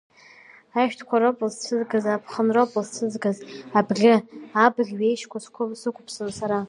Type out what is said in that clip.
Ашәҭқәа роуп усцәызгаз, аԥхынроуп усцәызгаз, абӷьы, абыӷь ҩеижьқәа сықәԥсон сара.